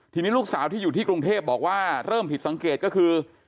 ทีนี้ลูกสาวที่อยู่ที่กรุงเทพบอกว่าเริ่มผิดสังเกตก็คือ